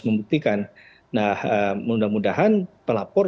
membuktikan nah mudah mudahan pelapor